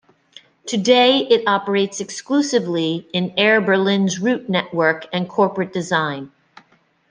Today, it operates exclusively in Air Berlin's route network and corporate design.